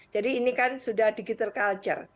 jadi ini kan sudah digital culture